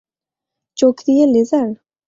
চোখ দিয়ে লেজার?